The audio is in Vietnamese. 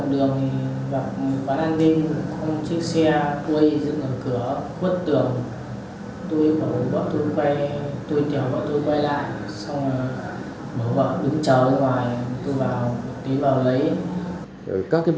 đi vào đường vào quán an ninh không chiếc xe quây dựng ở cửa khuất tường